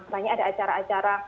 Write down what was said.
banyak ada acara acara